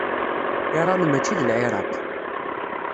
Iṛan mačči d Lɛiraq.